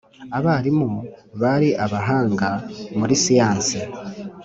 Abarimu bari abahanga muri siyansi